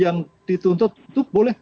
yang dituntut itu boleh